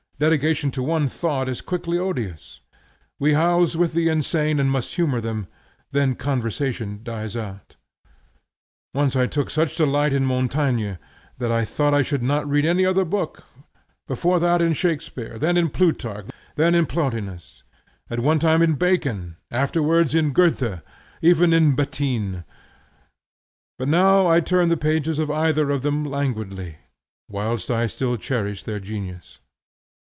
Dedication to one thought is quickly odious. We house with the insane, and must humor them; then conversation dies out. Once I took such delight in Montaigne, that I thought I should not need any other book; before that, in Shakspeare; then in Plutarch; then in Plotinus; at one time in Bacon; afterwards in Goethe; even in Bettine; but now I turn the pages of either of them languidly, whilst I still cherish their genius.